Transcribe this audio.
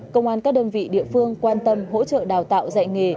công an các đơn vị địa phương quan tâm hỗ trợ đào tạo dạy nghề